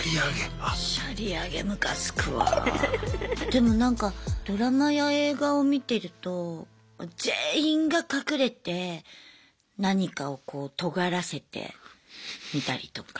でもなんかドラマや映画を見てると全員が隠れて何かをこうとがらせてみたりとか。